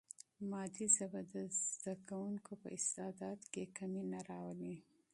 مادي ژبه د زده کوونکي په استعداد کې کمی نه راولي.